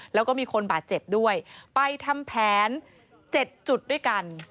แล้วก็มีคนบาดเจ็บด้วยไปทำแผน๗จุดด้วยกัน